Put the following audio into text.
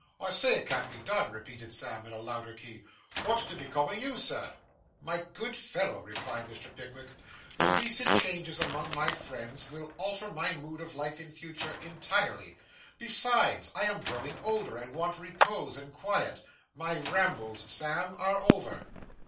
'I say it can't be done,' repeated Sam in a louder key. 'Wot's to become of you, Sir?' 'My good fellow,' replied Mr. Pickwick, 'the recent changes among my friends will alter my mode of life in future, entirely; besides, I am growing older, and want repose and quiet. My rambles, Sam, are over.